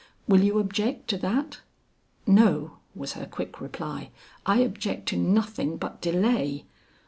Will you object to that?" "No," was her quick reply, "I object to nothing but delay."